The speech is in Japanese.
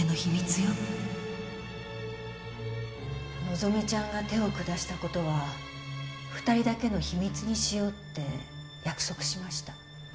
希ちゃんが手を下したことは２人だけの秘密にしようって約束しました。